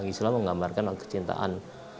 islam menggambarkan kecintaan